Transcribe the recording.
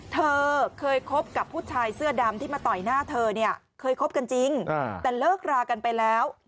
เธอเคยคบกับผู้ชายเสื้อดำที่มาต่อยหน้าเธอเนี่ยเคยคบกันจริงแต่เลิกรากันไปแล้ว